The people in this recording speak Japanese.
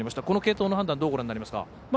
この継投の判断どうご覧になりますか？